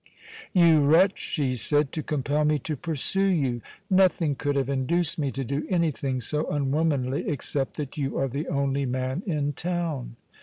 "You wretch," she said, "to compel me to pursue you! Nothing could have induced me to do anything so unwomanly except that you are the only man in town."